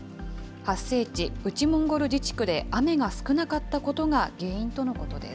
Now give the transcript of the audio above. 発生地、内モンゴル自治区で雨が少なかったことが原因とのことです。